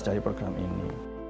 dari program ini